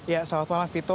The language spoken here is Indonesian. ya salat puan lafito